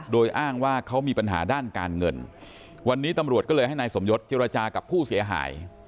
โดยอ้างว่าเขามีปัญหาด้านการเงินวันนี้ตำรวจก็เลยให้นายสมยศเจรจากับผู้เสียหาย